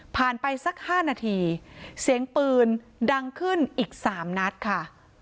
ไปสัก๕นาทีเสียงปืนดังขึ้นอีก๓นัดค่ะ